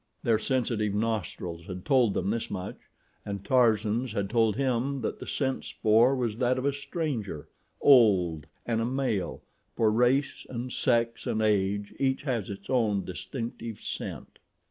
Their sensitive nostrils had told them this much and Tarzan's had told him that the scent spoor was that of a stranger—old and a male, for race and sex and age each has its own distinctive scent.